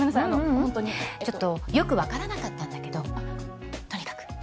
あのホントにううんちょっとよく分からなかったんだけどとにかく